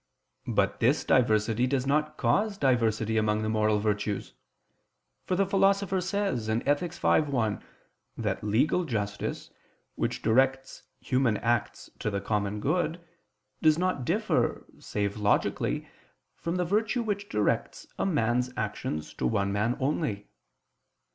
But this diversity does not cause diversity among the moral virtues: for the Philosopher says (Ethic. v, 1) that legal justice, which directs human acts to the common good, does not differ, save logically, from the virtue which directs a man's actions to one man only.